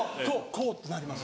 こう？」ってなります